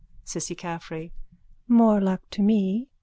CISSY CAFFREY: More luck to me.